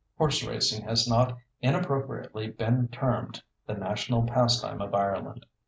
Horse racing has not inappropriately been termed the national pastime of Ireland.